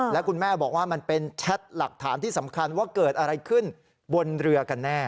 แล้วคุณแม่บอกว่ามันเป็นแชทหลักฐานที่สำคัญว่าเกิดอะไรขึ้นบนเรือกันแน่